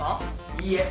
いいえ。